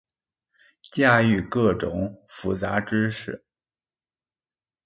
駕馭各種複雜知識